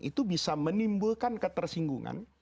itu bisa menimbulkan ketersinggungan